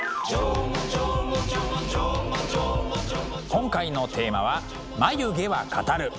今回のテーマは「眉毛は語る」。